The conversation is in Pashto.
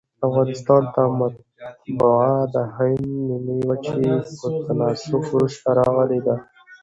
افغانستان ته مطبعه دهند د نیمي وچي په تناسب وروسته راغلې ده.